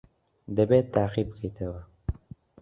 دەبێت تاقی بکەیتەوە.